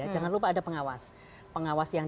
jangan lupa ada pengawas pengawas yang